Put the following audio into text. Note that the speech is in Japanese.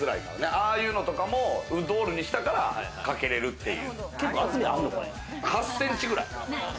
ああいうのも、ウッドウォールにしたから、かけれるという。